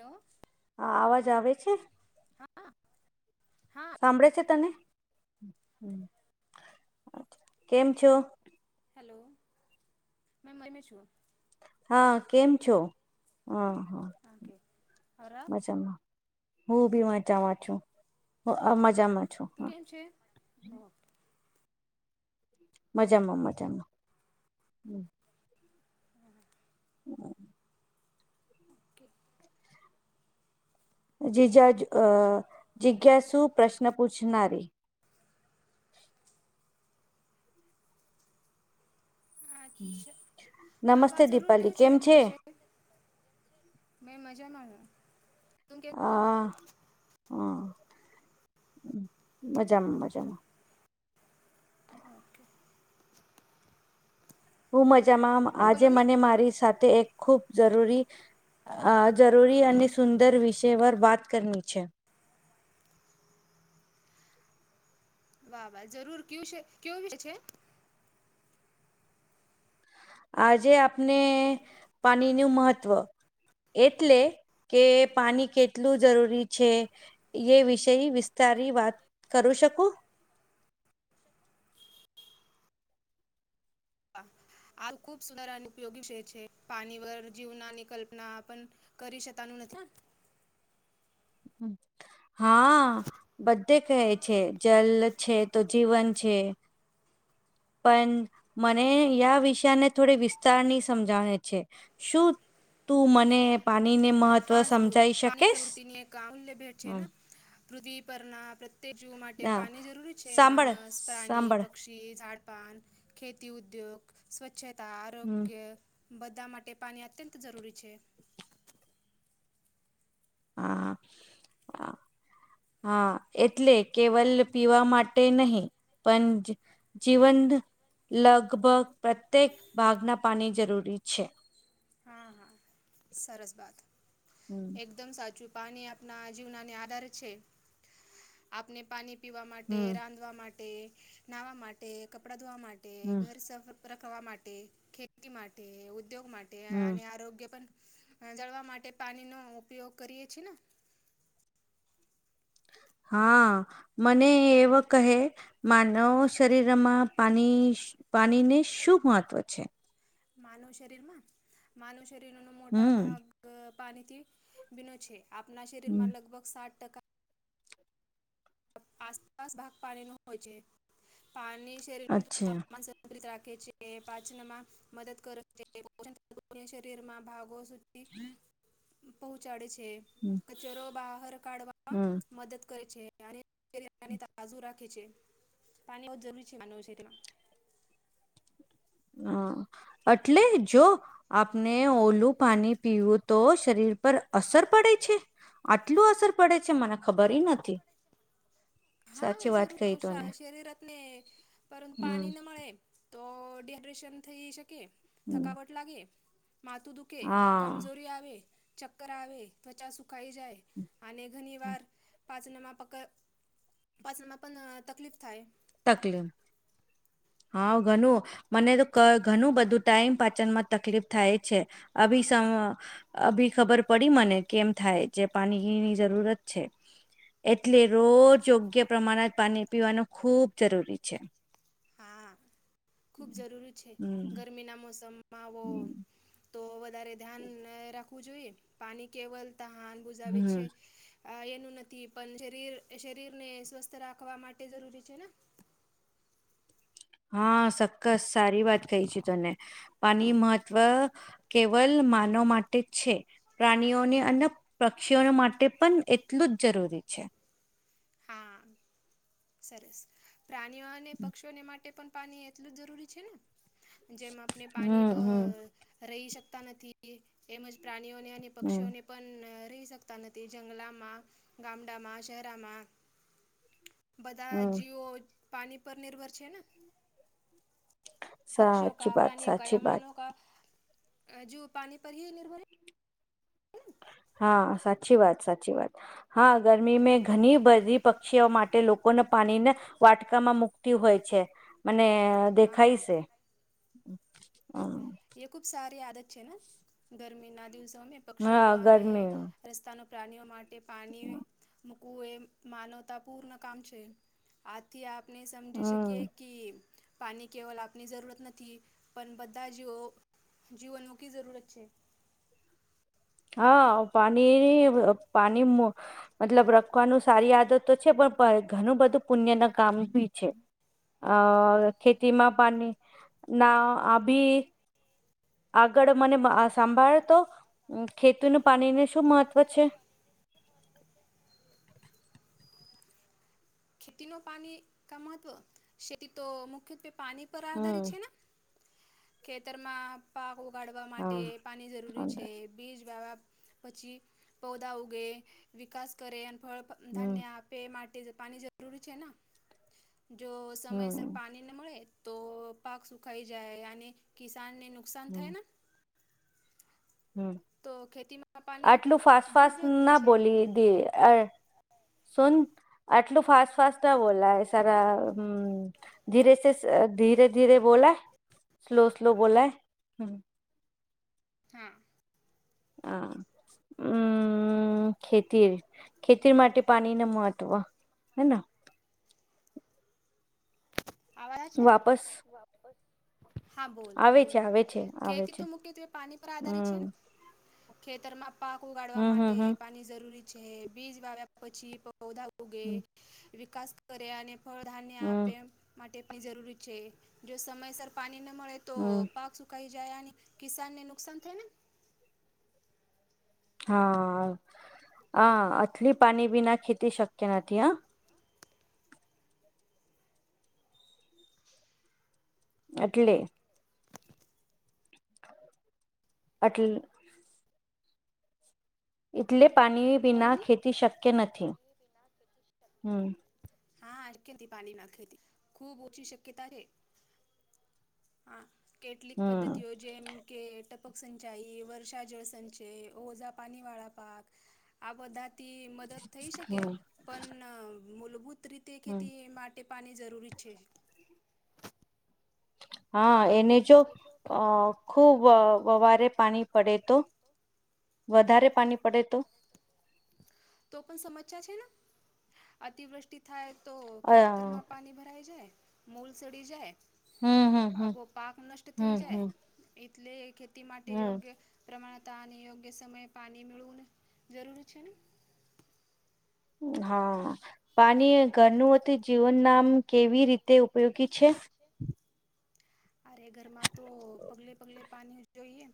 Hello. હા, અવાજ આવે છે. હા. હા સાંભળે છે તમે કેમ છો? હેલો, [unintelligible] છું. હા, કેમ છો? હા હા, ઓકે અરે મજામાં. હું બી મજામાં છું મજામાં. છું તુ હા કેમ છે? ઓકે. મજામાં મજામાં. ઓકે. જીજાજ અ જિજ્ઞાસુ પ્રશ્ન પૂછનારી. અચ્છા, હા નમસ્તે વાત જરૂર કેવ દીપાલી છે કેમ વિશે. મેં મજા માગ હા, હા મજામાં મજામાં. ઓકે. હું મજામાં, બોલો આજે ને મને મારી સાથે એક ખૂબ જરૂરી અ જરૂરી અને સુંદર વિષય પર વાત કરવી છે. વાહ વાહ જરૂર કુ છે કેવ છે આજે આપને પાણી નું મહત્ત્વ એટલે કે પાણી કેટલું જરૂરી છે. એ વિષય વિસ્તારી વાત કરું શકું. વાહ આ ખૂબ સુદર અને ઉપયોગી શે છે પાણી વ જીવનાની કલ્પના પણ કરી શતાનું નથી [inaudible] હા બધે કહે છે જલ છે તો જીવન છે. પણ મને યા વિષયને થોડી વિસ્તારની સમજાણે છે શું? તું મને પાણીને મળ હા જરૂર પાણી પ્રવૃતિની એક અમલ્ય ભેટ છે. પૃથ્વી પરના પ્રત્યેક જીવ માટે હ પાણી જરૂરી છે સાંભળ માનસ પ્રાણી સાંભળ પક્ષી ડપાન ખેતી ઉદ્યોગ સ્વચ્છતા હમ આરોગ્ય બધા માટે પાણી અત્યંત જરૂરી છે? હા હા. હા એટલે કેવલ પીવા માટે નહી પણ જીવન લગભગ પ્રત્યેક ભાગના પાણી જરૂરી છે. હા હા સરસ બાત હમ એક મ સાચું પાણી આપના જીવનાને આધાર છે આપણે પાણી પીવા માટે હમ રાંધવા માટે નાહવા માટે કપડાં ધોવા માટે હમ ઘર સફર રખવા માટે ખેતી માટે, ઉદ્યોગ માટે, હમ અને આરોગ્ય પણ જળવા માટે પાણી નો ઉપયોગ કરીએ છીએ ને હા. મને એવ કહે માનવ શરીરમાં પાણી પાણીને શું મહત્વ છે? માનવ શરીર માં માનવ શરીર ન મોટા હમ ભાગ પાણીથી ભીનો છે આપણા શરીર હમ માં લગભગ સાત ટકા આસપાસ ભાગ પાણી ન હોય છે પાણી શરીર અચ્છા તાપમાન રાખે છે પાચનમાં મદદ કરે છે શરીરમાં ભાગો પહોંચાડે છે. કચરો બહાર કાઢવામાં હમ મદદ કરે છે. તાજુ રાખે છે પાણી હો જરૂરી છે માનય છે તેમાં હા એટલે જો આપણે ઓલું પાણી પીવું તો શરીર પર અસર પડે છે. આટલું અસર પડે છે મને ખબર નથી હા સાચી વાત જરૂ કહી તોને તોા શરીર ન પર પાણી ન હમ મળ તો્રેશન થઈ શકે થકાવટ લાગે માથું દુઃખ કે હા કમજોરી આવે ચક્કર આવે ત્વચા સુકાાઈ જાય અને ઘણી વાર પાચનમાં પકડ પાચનમાં પણ તકલીફ થાય તકલે [unintelligible] હા ઘણું મને તો ઘણું બધું ટાઈમ પાચન માં તકલીફ થાય છે. અભી સમ અ બી ખબર પડી મને કેમ થાય જે પાણીની જરૂરત છે. એટલે રોજ યોગ્ય પ્રમાણ જ પાણી પીવાનું ખૂબ જરૂરી છે. હા ખૂબ જરૂરી છે હમ ગરમીના મોસમમાં આવો તો વધારે ધ્યાન રાખવું જોઈએ પાણી કેવલતા હાન બુઝાવે હમ છે. આ એનું નથી પણ શરીર શરીર ને સ્વસ્થ રાખવા માટે જરૂરી છે ને હા સક્કસ સારી વાત કહી છે તને પાણી મહત્વ કેવલ માનવ માટે જ છે પ્રાણીઓને અને પક્ષીઓને માટે પણ એટલું જ જરૂરી છે. હા સરસ પ્રાણીઓ અને પક્ષીઓને માટે પણ પાણી એટલું જ જરૂરી છે ને જેમ આપણે પાણી હમ હમ રહી શકતા નથી એમજ પ્રાણીઓને હમ પક્ષીઓને પણ રહી શકતા નથી જંગલામાં ગામડામાં શહેરામાં બધા હમ જીઓ પાણી પર નિર્ભર છે ને પક્ષઓ ક સાચી વાત પ્રાણીઓ ક સાચી યા વાત માનવ જીવ પાણી પર હ નિર્ભર હા, સાચી વાત સાચી વાત. હા ગરમી મેં ઘણી બધી પક્ષીઓ માટે લોકોને પાણીને વાટકામાં મુકતી હોય છે અને હા દેખાઈ શે હમ્મ. એ ખૂબ સારી આદત છે ને ગરમીના દિવસોને પક્ષીઓ હા અને ગરમી રસ્તાના પ્રાણીઓ માટે પાણી મૂકવું એ માનવતાપૂર્ણ કામ છે. આથી આપ આપને સમજી હમ શકીએ કી પાણી કેવલ આપની જરૂરત નથી પણ બધા જ જો જીવનનું કી જરૂરત છે. હા પાણીની પાની મતલબ રખવાનું સારી આદત તો છે પણ પ ઘણું બધું પુણ્યના કામ બી છે. અ હા ખેતીમાં પાણીના આ બી આગળ મને મ આ સાંભાળ તો ખેતીનું પાણીને શું મહત્ત્વ છે? ખેતીનું પાણી કા મહત્વ શેતી તો મુખ્યત્વે પાણી પર હમ આધારિત છે ને! ખેતરમાં પાક ઉગાડવા માટે હા પાણી જરૂરી છે. હમ બીજ વાવ્યા પછી પૌધા ઉગે, વિકાસ કરે અને ફળ, ધાન્ય આપ પે માટે પાણી જરૂરી છે ન જો સમયસર હમ પાની મળે તો પાક સુખાઈ જાય અને કિસાનને નુકસાન થાય ને હમ્મ, તો ખેતીમાં પાણી આટલું ફાસ્ટ બહુ ફાસ્ટ જરૂરી ના છે બોલી દી આ સુન આટલું ફાસ્ટ ફાસ્ટ ના બોલાય સારા હમ્મ. ધીરે સે ધીરે ધીરે બોલાય સ્લો સ્લો બોલાય હમ્મ. હા. આ ઉમ હમ્મ, ખેતી ખેતી માટે પાણીનું મહત્વ હેના આવાના છે? વાપસ હા બોલ આવે બોલ છે આવે છે આવે ખેતી છે તો મુખ્યત્વે પાની પર આધારિત છે ને? હમ ખેતરમાં પાક ઉગાડવા હમ માટે હમ પાની ઝરૂરી બીજ વાવ્યા પછી પૌધા ઉગે, હમ વિકાસ કરે અને ફળધાન્ય હમ આપ હમ માટે પણ જરૂરી છે જો સમયસર પાણી ન મળે તો હમ પાક સુકાઈ જાય અનેન કિસાનને નુકસાન થાય ને! હા અ આટલી પાની બીના ખેતી શક્ય નથી હ. એટલે અટલ એટલે પાની બોલોની એટલે પાણી વિના ખેતી શક્ય હમ નથી. હા અકેથી પાણી વિના ખેતી ખૂબ ઓછી શક્યતા રે. હા કેટલીક હમ પદ્ધતિઓ જેમ કે ટપ ક સંચાઈ, વર્ષા જળ સંંચય ઓઝા પાણી વાળા પાક આ બધા તી મદદ થઈ શકે હમ પન મૂલભૂત રીતે હમ ખેતી માટ ટે પાની જરૂરી છે જ. હા એને જો અ ખુબ વવારે પાણી પડે તો. વધારે પાની પડે તો? તો પણ સમ ચા છે ને અતિવૃષ્ટિ થાય તો અ ખેતરમાં પાની ભરાઈ જાય, મૂલ સડી જાય, હમ હમ હમ આબો પાક નષ્ટ થઈ હમ જાય હમ એટલે ખેતી માટે હમ યોગ્ય પ્રમાણતા અને યોગ્ય સમય પાની મેળવુંને જરૂરી છે ને? હા પાની એ ઘરનું અથી જીવનનું આમ કેવી રી તે ઉપયોગી છે. અરે ઘરમાં તો પગલે પગલે પાની જોઈએ,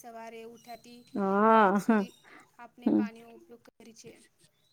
સવારે ઉઠે તી હા રાત હમ સુધી આપણે પાણીનો ઉપયોગ કરી છે.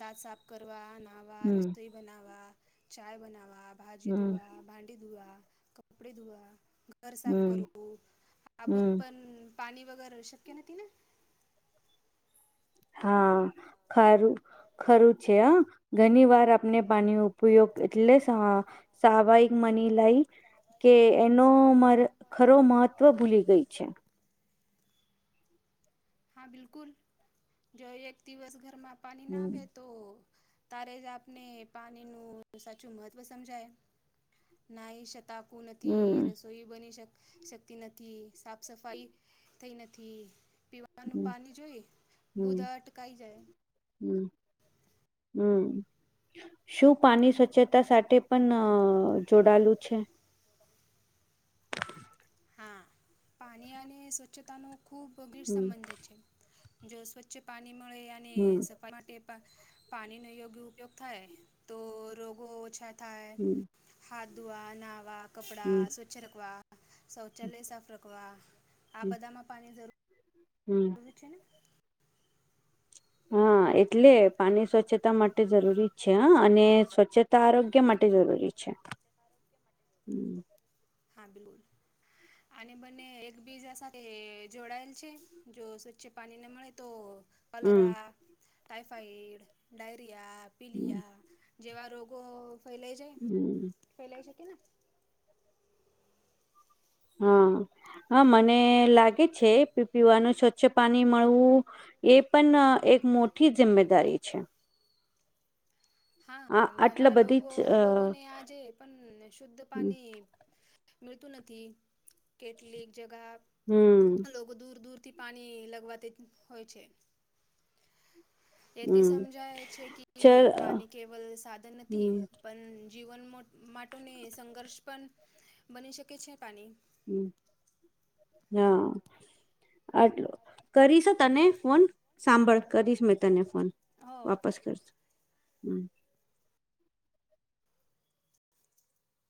દાંત સાફ કરવા, નાહવા, હમ રસોઈ બનાવા, ચાય બનાવા, ભાજી હમ ધુઆ, ભાડી ધુઆ, કપડે ધોઆ, ઘર સાફ હમ કરું, આબુત હમ પણ પાણી વગર શક્ય નથી ને. હા ખરું ખરું છે હ. ઘણી વાર આપને પાણીનો ઉપયોગ એટલે સ્વાવાયિક મની [unintelligible] લાય કે એનો ખરો મહત્વ ભૂલી ગય છે. હા બિલકુલ જો એક દિવસ ઘરમાં પાણી ના હમ આવે તો તારે જ આપને પાણીનું સાચું મહત્ત્વ સમજાય. ના શતાકુન ત હમ રસ તો એ બની શક શકતી નથી, સાફ સફાઈ થઈ નથી, ન હમ પાણી જોઈ બુધા અટકાઈ જાય. હમ્મ. હમ્મ શું પાની સ્વચ્છતા સાથે પણ જોડાયેલું છે. [inaudible] હા પાણી અને સ્વચ્છતાનો ખૂબ વગીર [unintelligible] હમ સંબંધ છે. જો સ્વચ્છ પાણી મળે અને હમ માટે પાણીનો યોગ્ય ઉપયોગ થાય તો રોગો ઓછા થાય હમ હાથ ધોવા નાવા, કપડા હમ સ્વચ્છ રખવા, શૌચાલય સાફ રખવા આ બધામાં પાણી ધરૂ હમ્મ. [inaudible] હા એટલે પાણી સ્વચ્છતા માટે જરૂરી જ છે હા અને સ્વચ્છતા તો આરોગ્ય માટે જરૂરી છે. હા બિલકુલ. અને બંને એક બીજા સાથે જોડાયેલ છે, જો સ્વચ્છ પાણી ને મળે તો પલરા, ટાયફાયડ, ડાયરિયા, પિલિયા, જેવા રોગો ફેલાય જાય હમ ફેલાય શકે ને હા હા મને લાગે છે. પીવાનું સ્વચ્છ પાણી મળવું એ પણ એક મોટી જિમ્મેદારી છે. આ હા આટલા ઘણા બધી જ અ લોકોને આજે પણ શુદ્ધ હમ પાણી મળતું નથી કેટલીક જગા હમ્મ. લોકો દૂર દૂરથી પાણી લગવા હોય છે. એથી હમ સમજાય છે કે ચલ પાણી કેવલ સાધન નથી. હમ પણ જીવન માટને સંઘર્ષ પણ બની શકે છે પાણી. હમ્મ હા આટલું કરીશ તને ફોન સાંભળ કરીશ મેં તને ફોન હો વાપસ કરશ. હમ્મ.